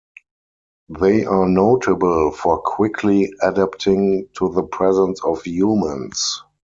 They are notable for quickly adapting to the presence of humans.